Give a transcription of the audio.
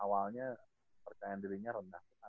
awalnya itu yang paling menarik itu adalah